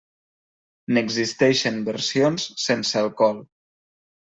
N'existeixen versions sense alcohol.